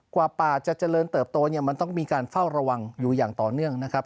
กว่าป่าจะเจริญเติบโตเนี่ยมันต้องมีการเฝ้าระวังอยู่อย่างต่อเนื่องนะครับ